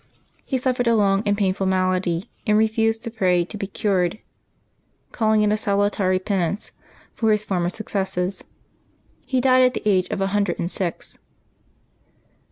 He suffered a long and painful malady, and refused to pray to be cured, calling it a salutary penance for his former successes. He died at the age of a hundred and six.